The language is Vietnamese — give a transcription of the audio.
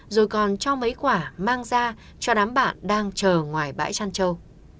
rồi còn cho mấy quả mang ra cho đám bạn đang chờ ngoài bãi chăn châu